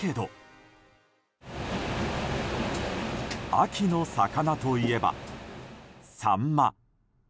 秋の魚といえばサンマ。